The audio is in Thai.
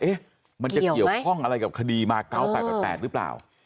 มันจะเกี่ยวข้องอะไรกับคดีมา๙๘๘หรือเปล่า